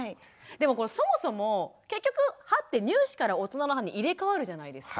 でもそもそも結局歯って乳歯から大人の歯に入れかわるじゃないですか。